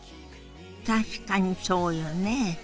確かにそうよね。